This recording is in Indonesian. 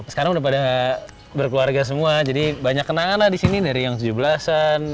sekarang udah pada gak berkeluarga semua jadi banyak kenangan lah disini dari yang tujuh belas an